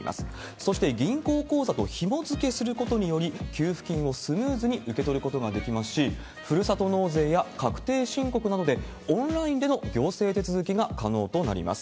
そして銀行口座とひも付けすることにより、給付金をスムーズに受け取ることができますし、ふるさと納税や確定申告などで、オンラインでの行政手続きが可能となります。